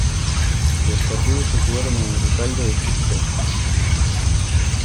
Los partidos se jugaron en El Cairo, Egipto.